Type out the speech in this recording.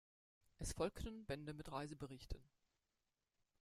Es folgten Bände mit Reiseberichten.